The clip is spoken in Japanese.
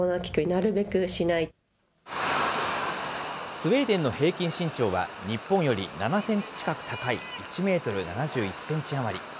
スウェーデンの平均身長は、日本より７センチ近く高い１メートル７１センチ余り。